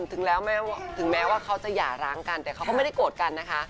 ถึงแล้วถึงแม้ว่าเขาจะหย่าร้างกันแต่เขาก็ไม่ได้โกรธกันนะคะ